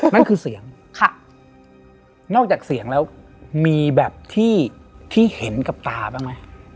นั่นคือเสียงค่ะนอกจากเสียงแล้วมีแบบที่เห็นกับตาบ้างไหม